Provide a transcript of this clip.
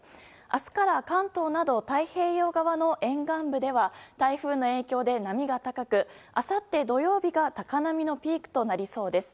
明日から関東など太平洋側の沿岸部では台風の影響で波が高くあさって土曜日が高波のピークとなりそうです。